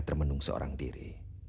termenung seorang diri